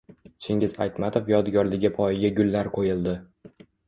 Chingiz Aytmatov yodgorligi poyiga gullar qo‘yildi